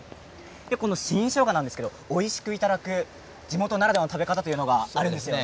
新しょうがなんですがおいしくいただく地元ならではの食べ方があるんですよね。